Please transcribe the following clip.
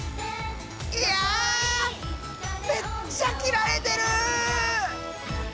いやめっちゃ切られてる！